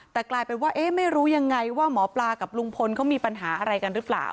แต่กลายเป็นว่าเอ๊ะไม่รู้ยังไงว่าหมอปลากับลุงพลเขามีปัญหาอะไรกันหรือเปล่า